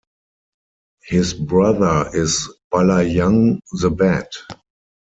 His brother is Balayang the bat.